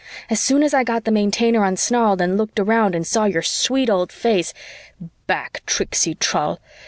"As soon as I got the Maintainer unsnarled and looked around and saw your sweet old face " "Back, tricksy trull!